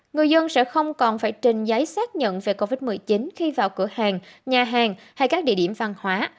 người dân sẽ không còn phải trình giấy xác nhận về covid một mươi chín khi vào cửa hàng nhà hàng hay các địa điểm văn hóa